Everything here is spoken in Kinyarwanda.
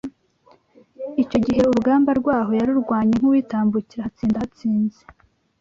Icyogihe urugamba rwaho yarurwanye nk’uwitambukira ahatsinda ahatsinze